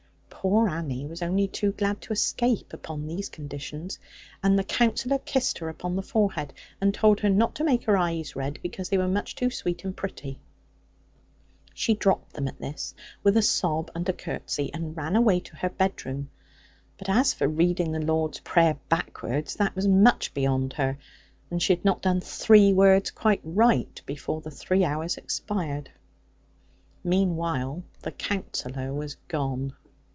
Poor Annie was only too glad to escape, upon these conditions; and the Counsellor kissed her upon the forehead and told her not to make her eyes red, because they were much too sweet and pretty. She dropped them at this, with a sob and a curtsey, and ran away to her bedroom; but as for reading the Lord's Prayer backwards, that was much beyond her; and she had not done three words quite right, before the three hours expired. Meanwhile the Counsellor was gone.